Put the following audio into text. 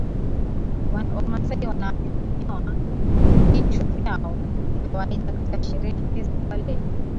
Wamasai wanawake vunyoa kichwa vyao ni kawaida katika sherehe za kubalehe